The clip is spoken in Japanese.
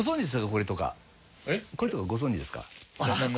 これとかご存じですか？